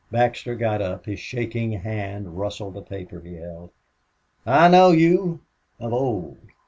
Baxter got up. His shaking hand rustled a paper he held. "I know you of old.